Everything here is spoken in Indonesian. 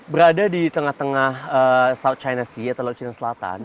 berada di tengah tengah south china sea atau laut china selatan